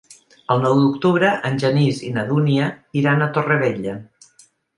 El nou d'octubre en Genís i na Dúnia iran a Torrevella.